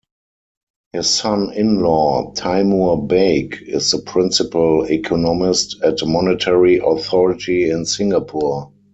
His son-in-law Taimur Baig is the Principal Economist at Monetary Authority in Singapore.